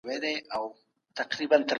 قصاص د قانون واکمني ده.